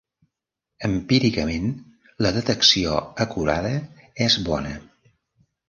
Empíricament, la detecció acurada és bona.